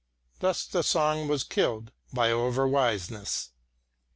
Thus the song was killed by "overwiseness."